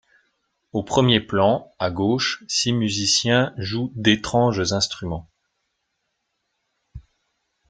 Au premier plan, à gauche, six musiciens jouent d'étranges instruments.